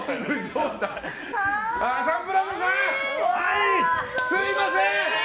サンプラザさん、すみません。